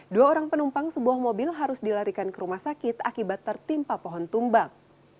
dua orang penumpang sebuah mobil harus dilarikan ke rumah sakit akibat tertimpa pohon tumbang